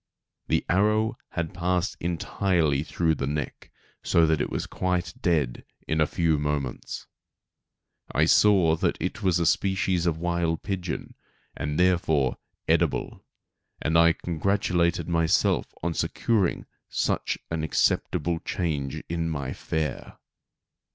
The arrow had passed entirely through the neck, so that it was quite dead in a few moments. I saw that it was a species of wild pigeon, and therefore edible; and I congratulated myself on securing such an acceptable change in my fare.